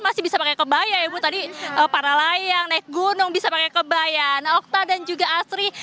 masih bisa pakai kebaya ibu tadi para layang naik gunung bisa pakai kebaya nah okta dan juga asri